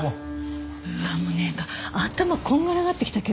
うわっもうなんか頭こんがらがってきたけど。